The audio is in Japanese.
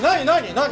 何？